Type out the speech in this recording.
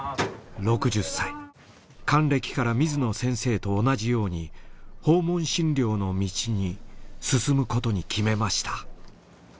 ６０歳還暦から水野先生と同じように訪問診療の道に進むことに決めました。